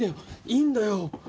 いいんだよ。